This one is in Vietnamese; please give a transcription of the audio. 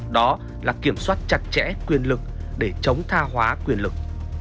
đó là kiểm soát chặt chẽ quyền lực để chống tha hóa quyền lực